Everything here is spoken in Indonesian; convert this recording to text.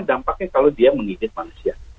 dampaknya kalau dia mengikit manusia